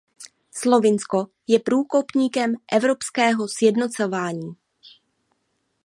Slovinsko je průkopníkem evropského sjednocování.